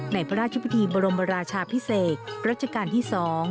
ในพระราชพิธีบรมราชาพิเศษรัชกาลที่๒